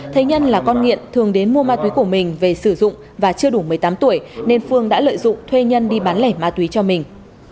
thấy nhân là con nghiện thường đến mua ma túy của mình về sử dụng và chưa đủ một mươi tám tuổi nên phương đã lợi dụng thuê nhân đi bán lẻ ma túy cho mình